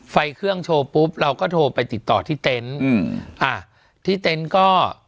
ไฟเครื่องโชว์ปุ๊บเราก็โทรไปติดต่อที่เต็นต์อืมอ่าที่เต็นต์ก็